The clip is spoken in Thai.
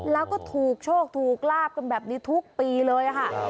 แล้วก็ถูกโชคถูกลาบกันแบบนี้ทุกปีเลยค่ะ